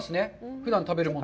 ふだん食べるものと。